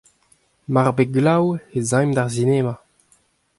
Mar bez glav ez aimp d'ar sinema.